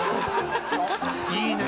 いいね！